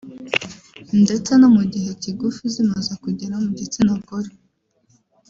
ndetse no mu gihe kigufi zimaze kugera mu gitsina gore